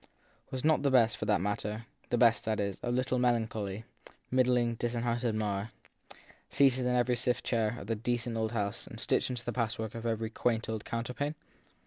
Was not the best, for that matter, the best, that is, of little melancholy, middling, disinherited Marr, seated in every stiff chair of the decent old house and stitched into the patch work of every quaint old counterpane?